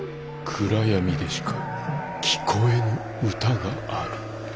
暗闇でしか聴こえぬ歌がある」。